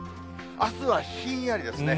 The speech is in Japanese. あすはひんやりですね。